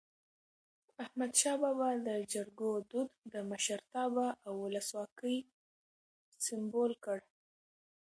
احمد شاه بابا د جرګو دود د مشرتابه او ولسواکی سمبول کړ.